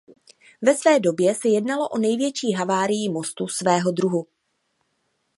Ve své době se jednalo o největší havárii mostu svého druhu.